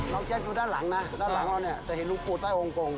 เราแจ้งดูด้านหลังนะด้านหลังเจอลุคปู่ใต้องกง